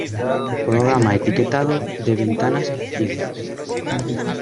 Programa etiquetado de ventanas eficientes